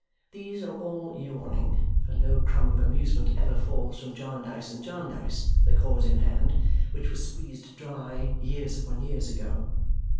These are all yawning, for no crumb of amusement ever falls from Jarndyce and Jarndyce (the cause in hand), which was squeezed dry years upon years ago.